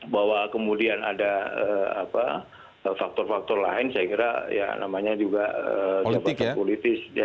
bahwa kemudian ada faktor faktor lain saya kira ya namanya juga jabatan politis